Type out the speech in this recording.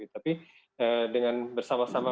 tapi dengan bersama sama